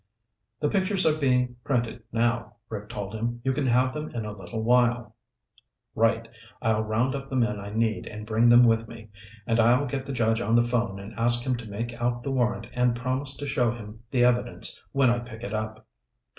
"The pictures are being printed now," Rick told him. "You can have them in a little while." "Right. I'll round up the men I need and bring them with me. And I'll get the judge on the phone and ask him to make out the warrant and promise to show him the evidence when I pick it up."